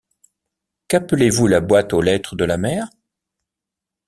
Qu’appelez-vous la boîte aux lettres de la mer?